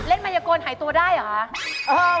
นี่เล่นมัยกรหายตัวได้เหรอ